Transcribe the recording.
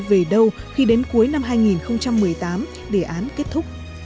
về đâu khi đến cuối năm hai nghìn một mươi tám đề án kết thúc